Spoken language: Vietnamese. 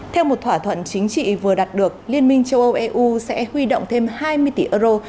theo một thỏa thuận chính trị vừa đạt được liên minh châu âu eu sẽ huy động thêm hai mươi tỷ euro